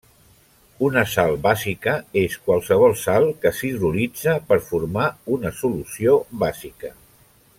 Una sal bàsica és qualsevol sal que s'hidrolitza per formar una solució bàsica.